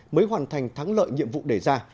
mới hoàn thành thắng lợi nhiệm vụ đề ra